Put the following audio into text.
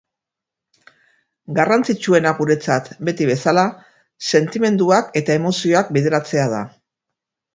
Garrantzitsuena guretzat, beti bezala, sentimenduak eta emozioak bideratzea da.